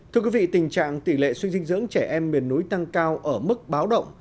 thưa quý vị tình trạng tỷ lệ suy dinh dưỡng trẻ em miền núi tăng cao ở mức báo động